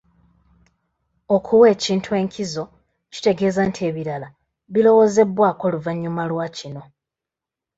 Okuwa ekintu enkizo kitegeeza nti ebiralala birowoozebwako luvannyuma lwa kino.